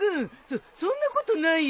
そっそんなことないよ。